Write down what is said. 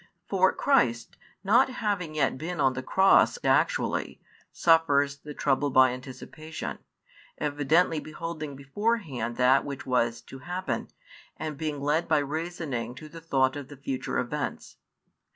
For Christ, not having yet been on the Cross actually, suffers the trouble by anticipation, evidently beholding beforehand that which was to happen, and being led by reasoning to the thought of the future events.